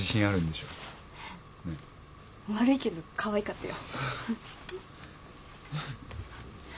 悪いけどかわいかったよ。